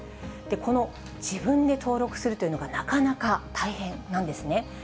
この自分で登録するというのが、なかなか大変なんですね。